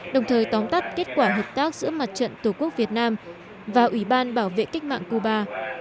đồng thời tóm tắt kết quả hợp tác giữa mặt trận tổ quốc việt nam và ủy ban bảo vệ cách mạng cuba